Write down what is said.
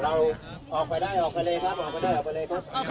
พระบุว่าจะมารับคนให้เดินทางเข้าไปในวัดพระธรรมกาลนะคะ